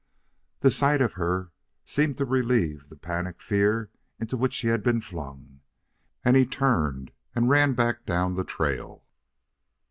The sight of her seemed to relieve the panic fear into which he had been flung, and he turned and ran back down the trail.